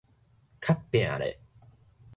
較拚咧